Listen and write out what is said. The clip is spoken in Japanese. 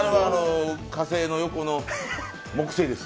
火星の横の、木星です